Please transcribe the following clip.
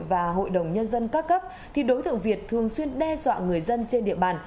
và hội đồng nhân dân các cấp thì đối tượng việt thường xuyên đe dọa người dân trên địa bàn